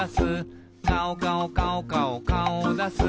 「かおかおかおかおかおをだす」